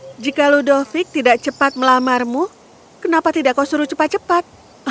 tapi jika ludovic tidak cepat melamarmu kenapa tidak kau suruh cepat cepat